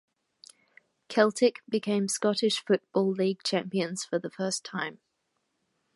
Celtic became Scottish Football League champions for the first time.